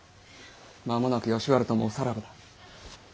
まもなく吉原ともおさらばだ。